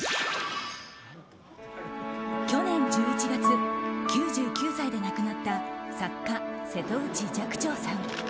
去年１１月９９歳で亡くなった作家・瀬戸内寂聴さん。